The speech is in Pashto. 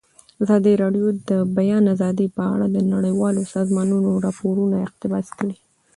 ازادي راډیو د د بیان آزادي په اړه د نړیوالو سازمانونو راپورونه اقتباس کړي.